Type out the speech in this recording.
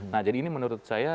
nah jadi ini menurut saya